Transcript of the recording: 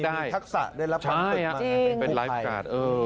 มีทักษะได้รับคำถึงมาจริงเป็นไลฟ์การ์ด